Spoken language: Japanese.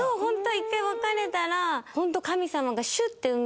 一回別れたらホント。